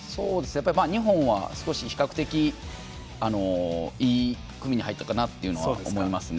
日本は比較的、いい組に入ったかなと思いますね。